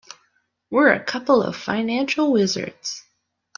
We're a couple of financial wizards.